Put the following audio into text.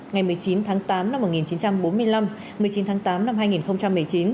ngày một mươi chín tháng tám năm một nghìn chín trăm bốn mươi năm một mươi chín tháng tám năm hai nghìn một mươi chín